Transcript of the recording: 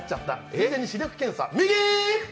ついでに視力検査、右！